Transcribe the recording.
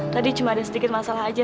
tadi cuma ada sedikit masalah aja